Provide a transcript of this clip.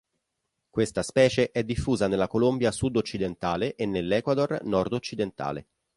Questa specie è diffusa nella Colombia sud-occidentale e nell'Ecuador nord-occidentale.